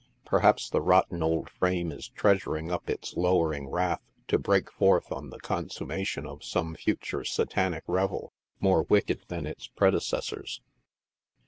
Perhaps the rotten old frame is treasuring up its lowering wrath to break forth on the consummation of some future satanic revel more wicked than its predecessors.